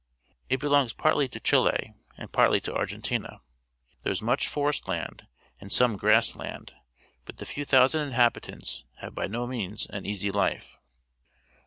It belongs partly to Chile and partly to Argentina. There is much forest land and some grass land, but the few thousand inhabitants have by no means an easy life.